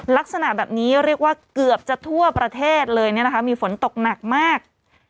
ลักษณะแบบนี้เรียกว่าเกือบจะทั่วประเทศเลยมีฝนตกหนักมาก